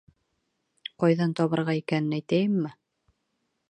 Ҡайҙан табырға икәнен әйтәйемме?